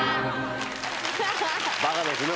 バカですね